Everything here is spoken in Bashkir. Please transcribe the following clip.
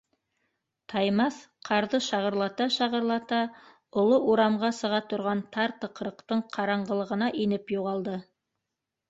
Таймаҫ, ҡарҙы шағырлата-шағырлата, оло урамға сыға торған тар тыҡрыҡтың ҡараңғылығына инеп юғалды.